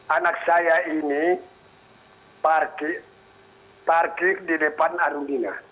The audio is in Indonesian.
anak saya ini parkir parkir di depan arung dina